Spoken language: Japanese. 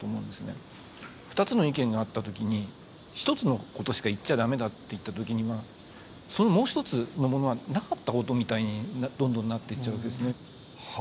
２つの意見があった時に一つのことしか言っちゃダメだっていった時にはもう一つのものはなかったことみたいにどんどんなっていっちゃうわけですね。